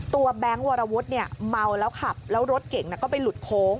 แบงค์วรวุฒิเมาแล้วขับแล้วรถเก่งก็ไปหลุดโค้ง